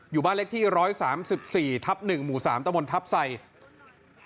อยู่บ้านเล็กที่ร้อยสามสิบสี่ทัพหนึ่งหมู่สามตะวนทัพไซค์